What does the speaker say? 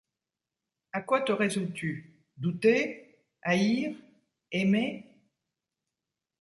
À quoi te résous-tu ? douter ? haïr ? aimer ?